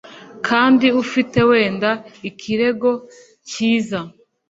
Kandi ufite wenda ikirego cyiza